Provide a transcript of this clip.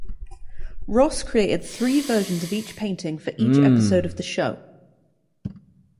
Ross created three versions of each painting for each episode of the show.